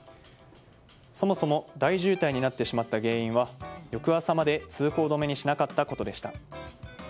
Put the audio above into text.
そもそも大渋滞になってしまった原因は翌朝まで通行止めにしなかったことでした。